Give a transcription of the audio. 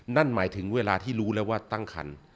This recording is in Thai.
นั่นหมายถึงเวลาที่รู้แล้วว่าตั้งคัน